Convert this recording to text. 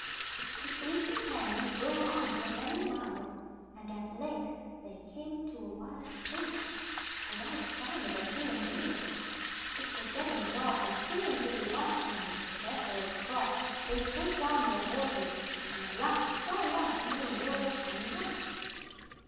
The three companions rode on for many miles, and at length they came to a wild place, without sign of a human being. It was getting dark, and fearing to be lost on this desolate spot they pushed on their horses, and at last saw a light in the window of a tiny hut.